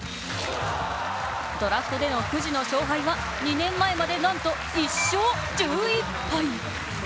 ドラフトでのくじの勝敗は２年前まで、なんと１勝１１敗。